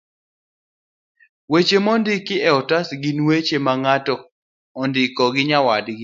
Weche mondiki e otas gin weche ma ng'ato ndiko ne nyawadgi